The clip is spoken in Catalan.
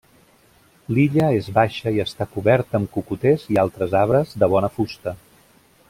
L'illa és baixa i està cobert amb cocoters i altres arbres de bona fusta.